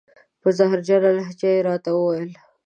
په زهرجنه لهجه یې را ته و ویل: